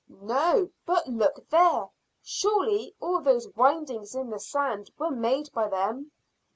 "No, but look there; surely all those windings in the sand were made by them."